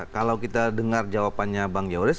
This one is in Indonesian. kalau kita dengar jawabannya bang yoris